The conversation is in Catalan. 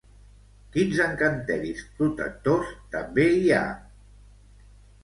Quins encanteris protectors també hi ha?